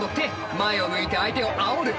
前を向いて相手をあおる。